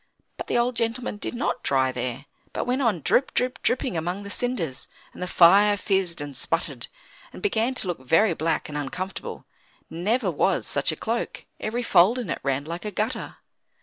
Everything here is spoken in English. But the old gentleman did not dry there, but went on drip, drip, dripping among the cinders, and the fire fizzed and sputtered, and began to look very black and uncomfortable; never was such a cloak; every fold in it ran like a gutter.